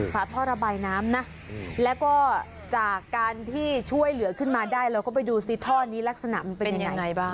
ฝาท่อระบายน้ำนะแล้วก็จากการที่ช่วยเหลือขึ้นมาได้เราก็ไปดูซิท่อนี้ลักษณะมันเป็นยังไงบ้าง